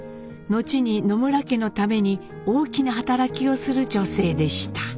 後に野村家のために大きな働きをする女性でした。